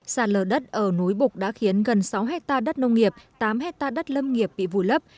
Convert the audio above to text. sạt lở đất ở núi bục đã khiến gần sáu hectare đất nông nghiệp tám hectare đất lâm nghiệp bị vùi lấp